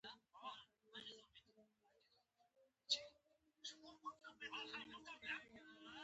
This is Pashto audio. ماشومانو هم چینی په ارام پرېنښوده ځورول یې.